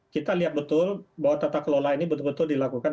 kita lihat betul bahwa tata kelola ini betul betul dilakukan